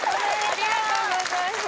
ありがとうございます！